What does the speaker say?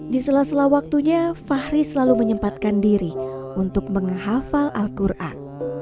di sela sela waktunya fahri selalu menyempatkan diri untuk menghafal al quran